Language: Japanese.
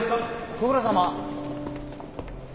ご苦労さま。